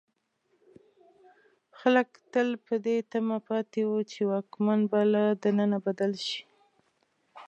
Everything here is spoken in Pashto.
خلک تل په دې تمه پاتې وو چې واکمن به له دننه بدل شي.